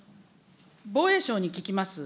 防衛省に聞きます。